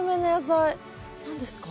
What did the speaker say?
何ですか？